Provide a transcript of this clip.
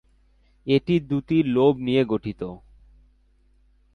এটি দুটি লোব নিয়ে গঠিত।